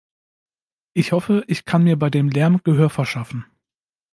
Ich hoffe, ich kann mir bei dem Lärm Gehör verschaffen.